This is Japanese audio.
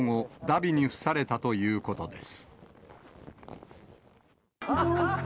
びに付されたということです。